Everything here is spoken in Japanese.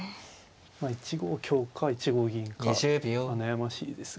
まあ１五香か１五銀か悩ましいですが。